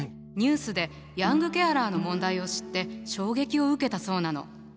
ニュースでヤングケアラーの問題を知って衝撃を受けたそうなの。